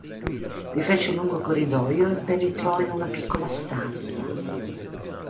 Rifece il lungo corridoio e penetrò in una piccola stanza.